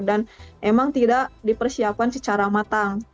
dan emang tidak dipersiapkan secara matang